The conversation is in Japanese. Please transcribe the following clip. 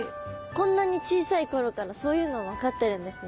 こんなに小さい頃からそういうの分かってるんですね。